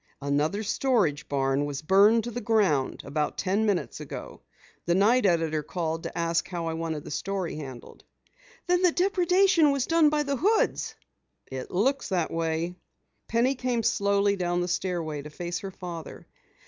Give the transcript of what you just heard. "Another storage barn was burned to the ground about ten minutes ago. The night editor called to ask how I wanted the story handled." "Then the depredation was done by the Hoods!" "It looks that way." Penny came slowly down the stairway to face her father.